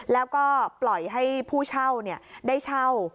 แล้วก็ปล่อยให้ผู้เช่าได้เช่า